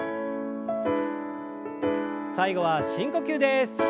最後は深呼吸です。